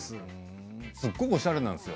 すごくおしゃれなんですよ